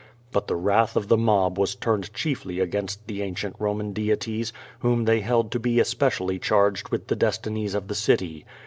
'* But the wrath of the mob was turned chiefly against the ancient Itoman deities, whom they held to be especially charged with the destinies of the city.